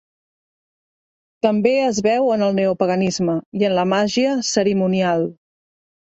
També es veu en el neopaganisme i en la màgia cerimonial.